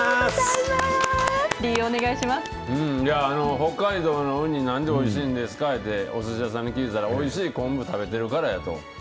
北海道のウニなんでおいしいんですかって、おすし屋さんに聞いたら、おいしい昆布食べてるからやと。